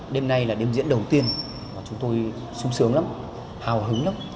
đêm nay là đêm diễn đầu tiên mà chúng tôi sung sướng lắm hào hứng lắm